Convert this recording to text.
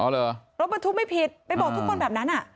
อ๋อเหรอรถบรรทุกไม่ผิดไปบอกทุกคนแบบนั้นอ่ะ